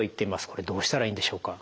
これどうしたらいいんでしょうか。